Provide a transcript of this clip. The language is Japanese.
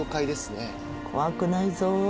怖くないぞ。